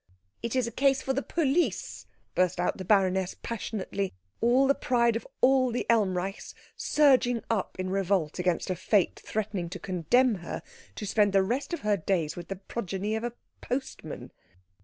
"It is a case for the police," burst out the baroness passionately, all the pride of all the Elmreichs surging up in revolt against a fate threatening to condemn her to spend the rest of her days with the progeny of a postman.